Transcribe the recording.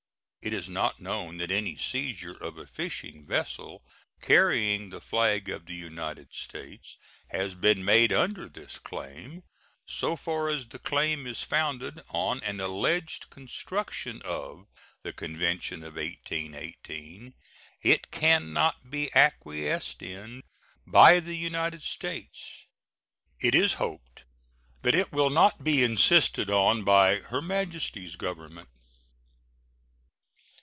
It is not known that any seizure of a fishing vessel carrying the flag of the United States has been made under this claim. So far as the claim is founded on an alleged construction of the convention of 1818, it can not be acquiesced in by the United States. It is hoped that it will not be insisted on by Her Majesty's Government.